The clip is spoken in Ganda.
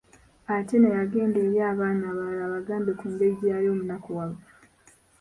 Atieno yagenda eri abaana abalala abagambe ku ngeri gye yali omunakuwavu.